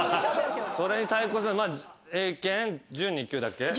それに対抗するのが英検準２級だっけ。